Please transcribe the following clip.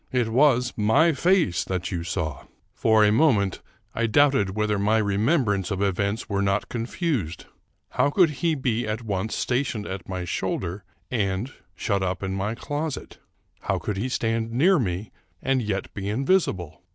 It was my face that you saw !" For a moment I doubted whether my remembrance of 384 Charles Brockden Brown events were not confused. How could he be at once sta tioned at my shoulder and shut up in my closet? How could he stand near me and yet be invisible?